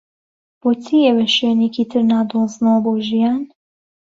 بۆچی ئێوە شوێنێکی تر نادۆزنەوە بۆ ژیان؟